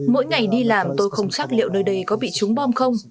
mỗi ngày đi làm tôi không chắc liệu nơi đây có bị trúng bom không